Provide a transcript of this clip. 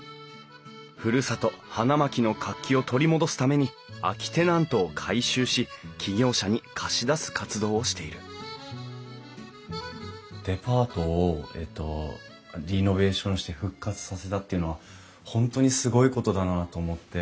ふるさと花巻の活気を取り戻すために空きテナントを改修し起業者に貸し出す活動をしているデパートをリノベーションして復活させたっていうのは本当にすごいことだなと思って。